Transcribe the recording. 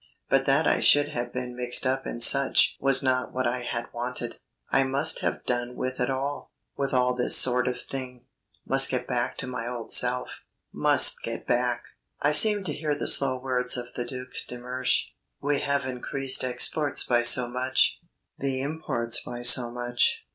But that I should have been mixed up in such was not what I had wanted. I must have done with it all; with all this sort of thing, must get back to my old self, must get back. I seemed to hear the slow words of the Duc de Mersch. "We have increased exports by so much; the imports by so much.